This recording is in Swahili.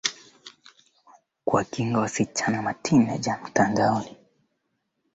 alitumwa kaskazini kupigana na waasi wa kisomalia